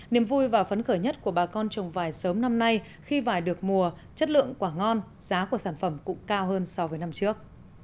niềm vui và phấn khởi nhất của bà con trồng vải sớm năm nay khi vải được mùa chất lượng quả ngon giá của sản phẩm cũng cao hơn so với năm trước